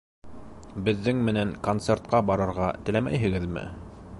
Беҙҙең менән концертҡа барырға теләмәйһегеҙме?